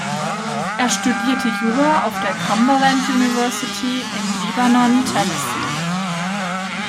Er studierte Jura auf der Cumberland University in Lebanon, Tennessee.